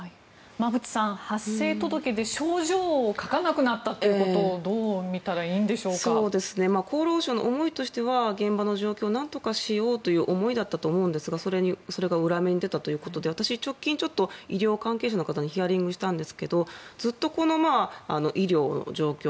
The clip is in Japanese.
馬渕さん、発生届で症状を書かなくなったということを厚労省の思いとしては現場の状況をなんとかしようという思いだったんですがそれが裏目に出たということで私、直近、医療関係者の方にヒアリングしたんですけどずっと医療の状況